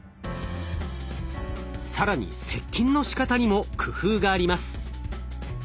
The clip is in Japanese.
更に接近のしかたにも工夫があります。